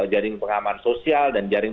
jaring pengaman sosial dan jaring